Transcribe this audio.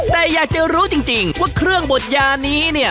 แต่อยากจะรู้จริงว่าเครื่องบดยานี้เนี่ย